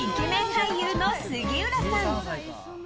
俳優の杉浦さん。